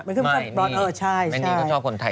แต่เขาชอบคนไทย